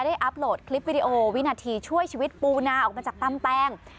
อัพโหลดคลิปวิดีโอวินาทีช่วยชีวิตปูนาออกมาจากตำแตง